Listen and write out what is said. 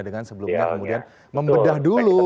dengan sebelumnya kemudian membedah dulu